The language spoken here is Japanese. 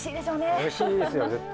おいしいですよ絶対。